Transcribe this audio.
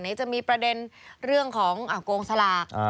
จะมีประเด็นเรื่องของโกงสลาก